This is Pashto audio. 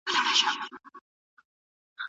هر استازی په کوم کمېسیون کي کار کوي؟